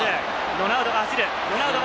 ロナウドが走る！